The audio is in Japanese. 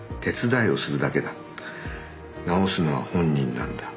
治すのは本人なんだ